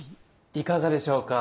いかがでしょうか？